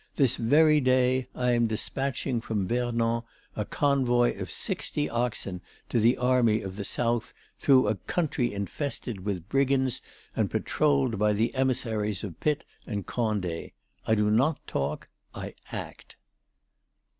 This very day I am despatching from Vernon a convoy of sixty oxen to the Army of the South through a country infested with brigands and patrolled by the emissaries of Pitt and Condé. I do not talk; I act."